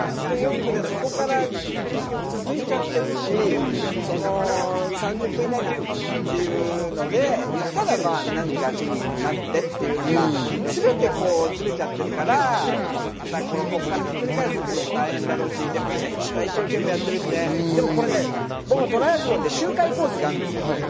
４区でそこから結局、続いちゃってるし、３０分以内にっていうので言ったら何から審議になってっていうのがすべてズレちゃってるから、ここからひっくり返すのも大変だろうし、でも選手は一生懸命やってるし、トライアスロンで周回コースがあるんですよ。